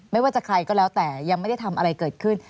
ไม่ว่าจะใครก็แล้วแต่ยังไม่ได้ทำอะไรเกิดขึ้น